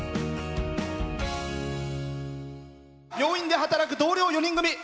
病院で働く同僚４人組